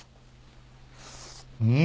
うん。